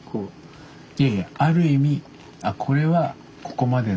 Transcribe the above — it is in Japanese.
いやいやある意味これはここまでだな。